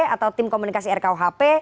atau tim komunikasi rkuhp